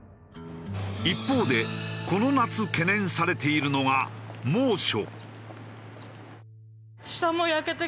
一方でこの夏懸念されているのが猛暑。